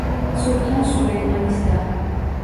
სულთან სულეიმანის და.